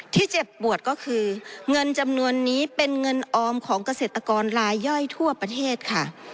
เจ็บปวดก็คือเงินจำนวนนี้เป็นเงินออมของเกษตรกรลายย่อยทั่วประเทศค่ะ